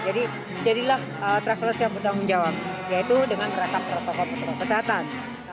jadi menjadilah traveler yang bertanggung jawab yaitu dengan merata protokol protokol kesehatan